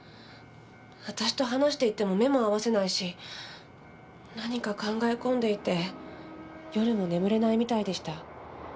私と話していても目も合わせないし何か考え込んでいて夜も眠れないみたいでした。